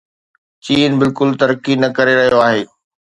چين بلڪل ترقي نه ڪري رهيو آهي.